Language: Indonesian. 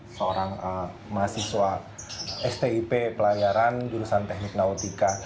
seorang mahasiswa stip pelayaran jurusan teknik nautika